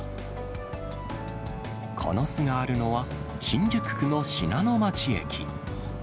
この巣があるのは、新宿区の信濃町駅。